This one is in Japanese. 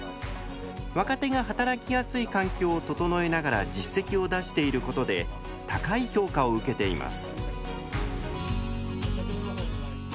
若手が働きやすい環境を整えながら実績を出していることで高い評価を受けています。